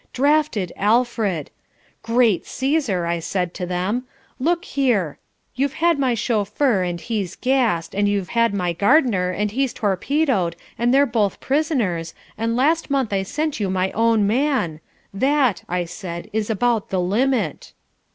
Drafted Alfred! 'Great Caesar' I said to them! 'Look here! You've had my chauffeur and he's gassed, and you've had my gardener and he's torpedoed and they're both prisoners, and last month I sent you my own man! That,' I said, 'is about the limit.'"